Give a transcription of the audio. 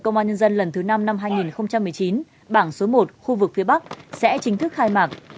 công an nhân dân lần thứ năm năm hai nghìn một mươi chín bảng số một khu vực phía bắc sẽ chính thức khai mạc